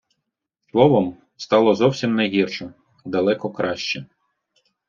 Словом, стало зовсім не гірше, а далеко краще.